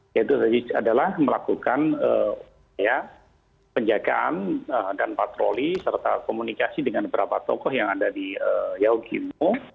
yaitu adalah melakukan penjagaan dan patroli serta komunikasi dengan beberapa tokoh yang ada di yaugimo